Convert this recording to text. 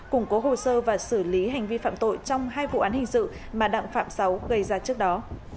củng cố hồ sơ và xử lý hành vi phạm tội trong hai vụ án hình sự mà đặng phạm sáu gây ra trước đó